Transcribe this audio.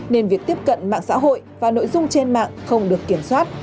nên việc tiếp cận mạng xã hội và nội dung trên mạng không được kiểm soát